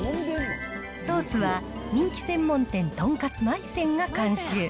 ソースは人気専門店、とんかつまい泉が監修。